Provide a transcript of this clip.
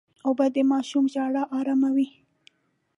اوبه د ماشوم ژړا اراموي.